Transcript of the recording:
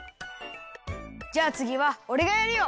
じゃあつぎはおれがやるよ！